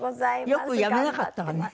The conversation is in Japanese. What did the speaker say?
よくやめなかったわね。